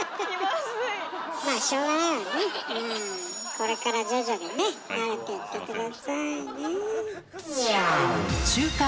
これから徐々にね慣れてって下さいね。